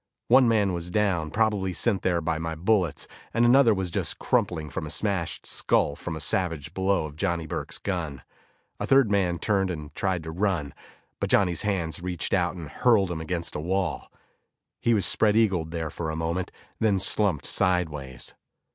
One man was down, probably sent there by my bullets, and another was just crumpling from a smashed skull from a savage blow of Johnny Burke's gun. A third man turned and tried to run, but Johnny's hands reached out and hurled him against a wall. He was spreadeagled there for a moment, then slumped sideways.